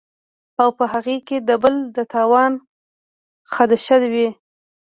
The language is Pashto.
او پۀ هغې کې د بل د تاوان خدشه وي